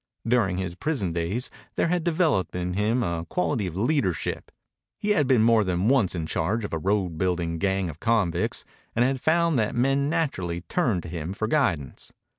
During his prison days there had developed in him a quality of leadership. He had been more than once in charge of a road building gang of convicts and had found that men naturally turned to him for guidance.